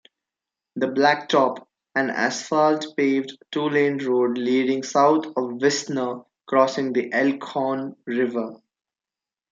"The Blacktop"-An asphalt-paved two-lane road leading south of Wisner, crossing the Elkhorn River.